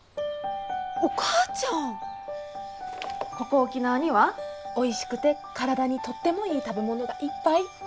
ここ沖縄にはおいしくて体にとってもいい食べ物がいっぱい。